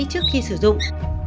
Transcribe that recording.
trước khi sử dụng